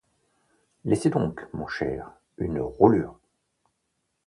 Laissez donc, mon cher, une roulure!